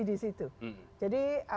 di situ jadi